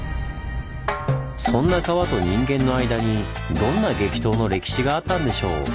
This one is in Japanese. そんな川と人間の間にどんな激闘の歴史があったんでしょう？